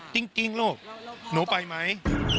จริงลูกหนูไปไหม